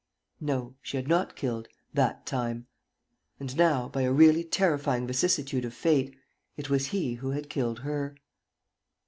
No, she had not killed, that time. And now, by a really terrifying vicissitude of fate, it was he who had killed her.